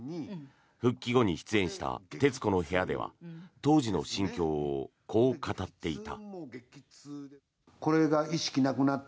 復帰後に出演した「徹子の部屋」では当時の心境をこう語っていた。